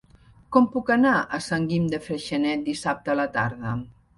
Com puc anar a Sant Guim de Freixenet dissabte a la tarda?